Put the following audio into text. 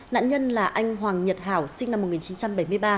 nạn nhân là anh hoàng nhật hảo sinh năm một nghìn chín trăm bảy mươi ba